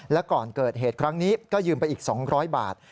และก่อนเกิดเหตุครั้งนี้ก็ยืมไปอีก๒๐๐บาท